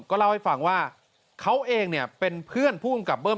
ก็เล่าให้ฟังว่าเขาเองเนี่ยเป็นเพื่อนผู้กำกับเบิ้ม